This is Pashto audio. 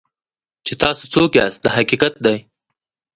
چې تاسو څوک یاست دا حقیقت دی.